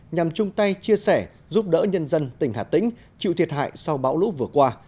nhằm chung tay chia sẻ giúp đỡ nhân dân tỉnh hà tĩnh chịu thiệt hại sau bão lũ vừa qua